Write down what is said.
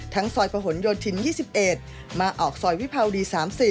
ซอยประหลโยธิน๒๑มาออกซอยวิภาวดี๓๐